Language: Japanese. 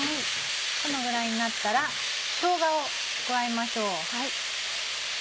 このぐらいになったらしょうがを加えましょう。